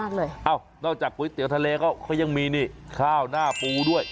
แล้วก็เอานอกจากก๋วยเตี๋ยวทะเลก็ยังมีข้าวหน้าปูด้วย